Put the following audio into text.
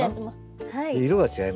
色が違いますよ。